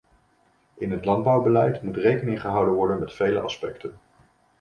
In het landbouwbeleid moet rekening gehouden worden met vele aspecten.